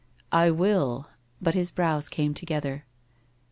* I will/ But his brows came together.